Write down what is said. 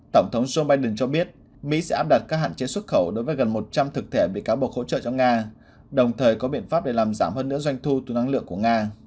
tổng thống joe biden cho biết mỹ sẽ áp đặt các hạn chế xuất khẩu đối với gần một trăm linh thực thể bị cáo buộc hỗ trợ cho nga đồng thời có biện pháp để làm giảm hơn nữa doanh thu từ năng lượng của nga